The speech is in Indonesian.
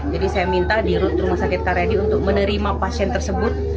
jadi saya minta di rut rumah sakit karyadi untuk menerima pasien tersebut